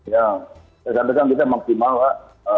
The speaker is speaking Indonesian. ya saya katakan kita maksimal pak